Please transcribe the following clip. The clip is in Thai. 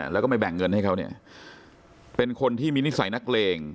แล้วก็ไม่แบ่งเงินให้เขาเนี่ยเป็นคนที่มีนิสัยนักเลง